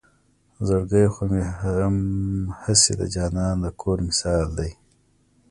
زړګے خو مې هم هسې د جانان د کور مثال دے